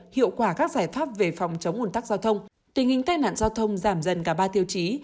hiệu quả các giải pháp về phòng chống ủn tắc giao thông tình hình tai nạn giao thông giảm dần cả ba tiêu chí